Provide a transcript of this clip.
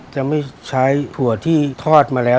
จะไม่ใช้ถั่วที่ทอดมาแล้ว